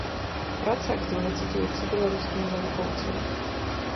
Праца актыўна цытуецца беларускімі навукоўцамі.